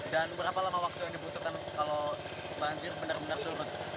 dan berapa lama waktu yang dibutuhkan kalau banjir benar benar surut